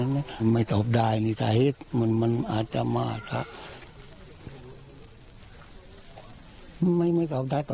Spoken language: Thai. สีพ่านมาลูกชายคาดทุนบางไหมเยอะมั้ย